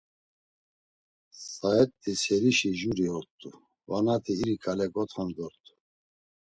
Saet̆i serişi juri ort̆u vanati iri ǩale gontanu dort̆u.